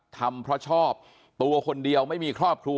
ทำเพราะชอบตัวคนเดียวไม่มีครอบครัว